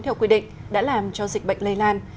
theo quy định đã làm cho dịch bệnh lây lan